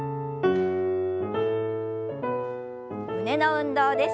胸の運動です。